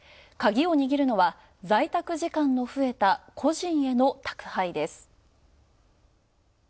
カギを握るのは在宅時間の増えた個人への宅配です。